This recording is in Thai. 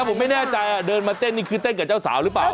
ผมไม่แน่ใจเดินมาเต้นนี่คือเต้นกับเจ้าสาวหรือเปล่า